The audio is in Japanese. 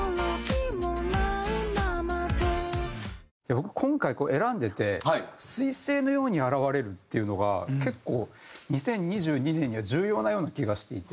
僕今回選んでて彗星のように現れるっていうのが結構２０２２年には重要なような気がしていて。